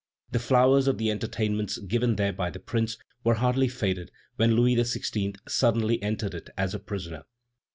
The flowers of the entertainments given there by the Prince were hardly faded when Louis XVI. suddenly entered it as a prisoner.